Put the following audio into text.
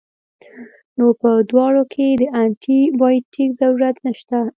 نو پۀ دواړو کښې د انټي بائيوټک ضرورت نشته